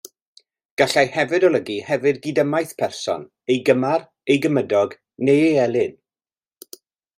Gallai hefyd olygu hefyd gydymaith person, ei gymar, ei gymydog neu ei elyn.